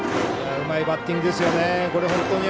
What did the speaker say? うまいバッティングですね。